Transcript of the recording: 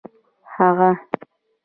هغه